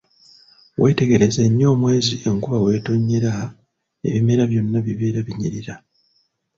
Weetegereze nnyo omwezi enkuba weetonnyera ebimera byonna bibeera binyirira.